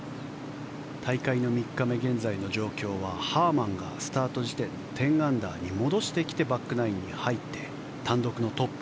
大会の３日目現在の状況はハーマンがスタート時点１０アンダーに戻してきてバックナインに入って単独のトップ。